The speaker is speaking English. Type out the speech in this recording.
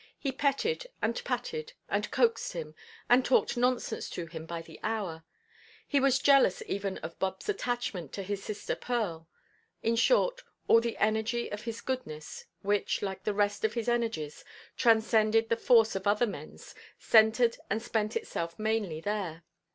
He petted, and patted, and coaxed him, and talked nonsense to him by the hour; he was jealous even of Bobʼs attachment to his sister Pearl; in short, all the energy of his goodness, which, like the rest of his energies, transcended the force of other menʼs, centred and spent itself mainly there.